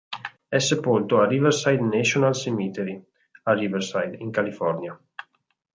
È sepolto a Riverside National Cemetery a Riverside, in California.